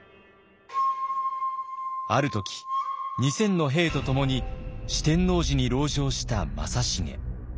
ある時２，０００の兵とともに四天王寺に籠城した正成。